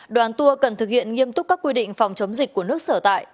đoàn tour cần thực hiện nghiêm túc các quy định phòng chống dịch của nước sở tại